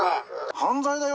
犯罪だよ。